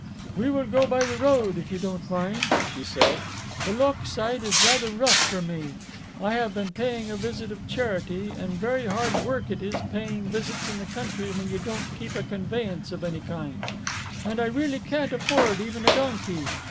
"We will go by the road, if you don't mind," she said, "the lochside is rather rough for me. I have been paying a visit of charity, and very hard work it is paying visits in the country when you don't keep a conveyance of any kind, and I really can't afford even a donkey.